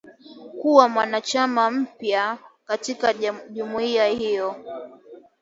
kuwa mwanachama mpya katika jumuiya hiyo